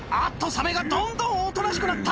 サメがどんどんおとなしくなった